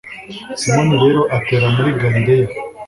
simoni rero atera muri galileya